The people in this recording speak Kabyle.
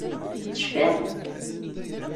Tecfiḍ?